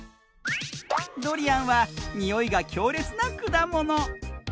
ドリアンはにおいがきょうれつなくだもの。